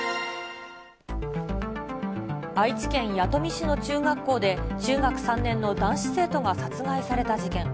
愛知県弥富市の中学校で中学３年の男子生徒が殺害された事件。